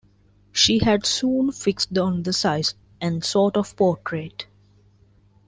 She had soon fixed on the size and sort of portrait.